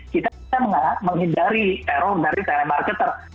kita bisa menghindari teror dari telemarketer